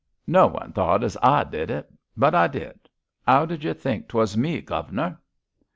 No one thought as I did it; but I did. 'Ow did you think 'twas me, guv'nor?'